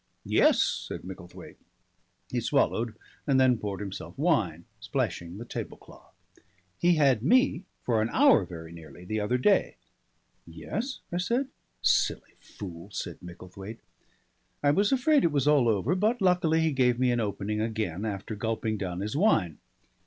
"Yes," said Micklethwaite. He swallowed and then poured himself wine splashing the tablecloth. "He had me for an hour very nearly the other day." "Yes?" I said. "Silly fool," said Micklethwaite. I was afraid it was all over, but luckily he gave me an opening again after gulping down his wine.